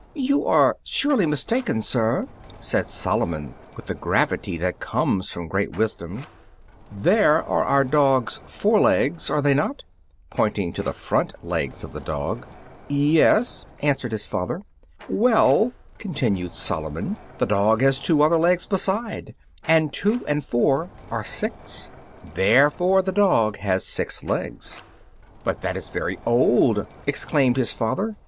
"You are surely mistaken, sir," said Solomon, with the gravity that comes from great wisdom, "these are our dog's fore legs, are they not?" pointing to the front legs of the dog. [Illustration: The Wond'rous Wise Man] "Yes," answered his father. "Well," continued Solomon, "the dog has two other legs, besides, and two and four are six; therefore the dog has six legs." "But that is very old," exclaimed his father.